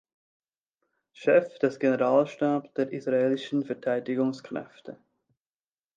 Chef des Generalstabes der Israelischen Verteidigungsstreitkräfte.